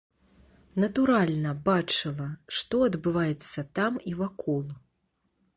Натуральна, бачыла, што адбываецца там і вакол.